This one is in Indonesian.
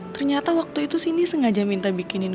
ternyata waktu itu sini sengaja minta bikinin